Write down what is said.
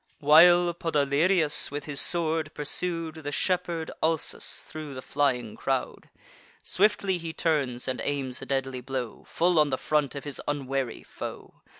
While Podalirius, with his sword, pursued The shepherd Alsus thro' the flying crowd, Swiftly he turns, and aims a deadly blow Full on the front of his unwary foe.